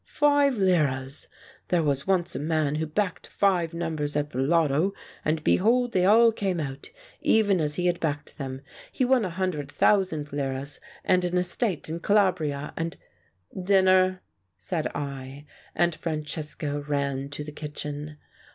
Five liras !... There was once a man who backed five numbers at the Lotto, and behold they all came out even as he had backed them. He won a hundred thousand liras, and an estate in Calabria, and " 82 The Dance on the Beefsteak "Dinner," said I, and Francesco ran to the kitchen.